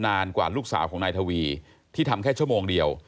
นานกว่าลูกสาวของนายทวีที่ทำแค่ชั่วโมงเดียว